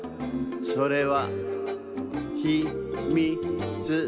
それはひ・み・つです。